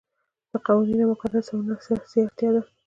د قوانینو او مقرراتو سمون اساسی اړتیا ده.